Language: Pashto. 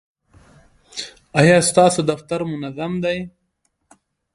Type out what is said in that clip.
ایا ستاسو دفتر منظم دی؟